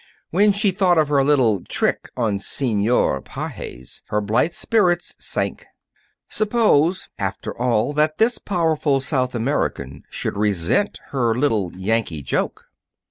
When she thought of her little trick on Senor Pages, her blithe spirits sank. Suppose, after all, that this powerful South American should resent her little Yankee joke!